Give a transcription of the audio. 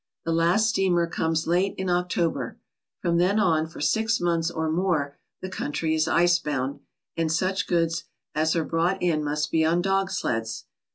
The last steamer comes late in October. From then on for six months or more the country is icebound, and such goods as are brought in must be on dog sleds.